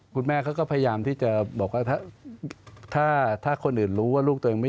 คือกลายเป็นว่าพอเป็นข่าวปุ๊บ